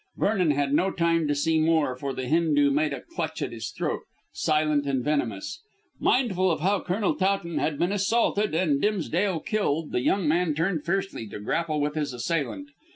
Vernon had no time to see more, for the Hindoo made a clutch at his throat, silent and venomous. Mindful of how Colonel Towton had been assaulted and Dimsdale killed, the young man turned fiercely to grapple with his assailant.